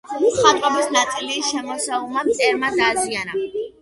მხატვრობის ნაწილი შემოსეულმა მტერმა დააზიანა.